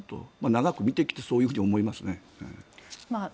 長く見てきてそういうふうに思いますね。